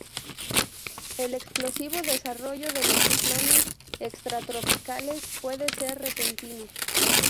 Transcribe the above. El explosivo desarrollo de los ciclones extratropicales puede ser repentino.